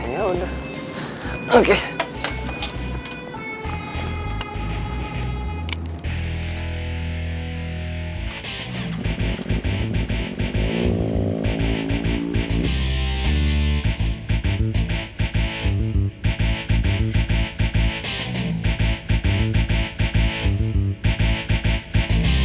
ya udah oke